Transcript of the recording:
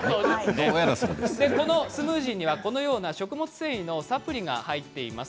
スムージーにはこのような食物繊維のサプリが入ってます。